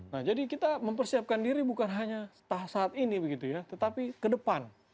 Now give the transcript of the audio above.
nah jadi kita mempersiapkan diri bukan hanya saat ini begitu ya tetapi ke depan